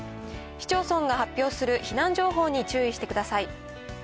市町村が発表する避難情報に注意してください。